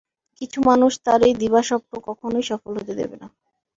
কিন্তু মানুষ তার এই দিবাস্বপ্ন কখনই সফল হতে দেবে না।